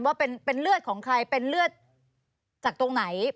ว่าเป็นเลือดของใครเป็นเลือดจากตรงไหน